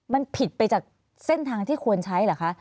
มันผิดไปจากเส้นทางที่ควรใช้เหรอคะ